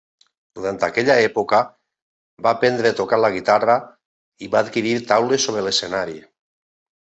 Durant aquella època va aprendre a tocar la guitarra i va adquirir taules sobre l'escenari.